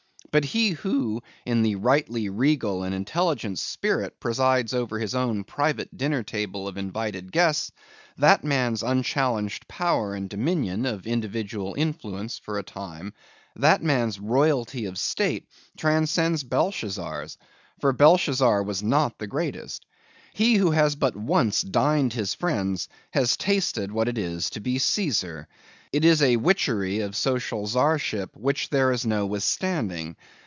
But he who in the rightly regal and intelligent spirit presides over his own private dinner table of invited guests, that man's unchallenged power and dominion of individual influence for the time; that man's royalty of state transcends Belshazzar's, for Belshazzar was not the greatest. Who has but once dined his friends, has tasted what it is to be Cæsar. It is a witchery of social czarship which there is no withstanding.